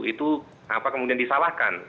itu apa kemudian disalahkan